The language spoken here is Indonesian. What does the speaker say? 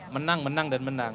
menang menang dan menang